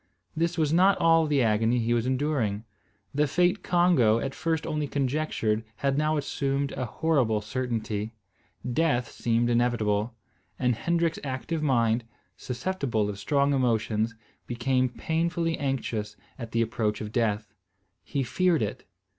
This was not all the agony he was enduring. The fate Congo at first only conjectured had now assumed a horrible certainty. Death seemed inevitable; and Hendrik's active mind, susceptible of strong emotions, became painfully anxious at the approach of death. He feared it.